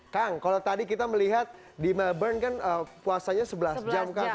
kang kalau tadi kita melihat di melbourne kan puasanya sebelas jam